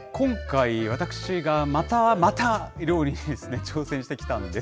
今回、私が、また、また、料理に挑戦してきたんです。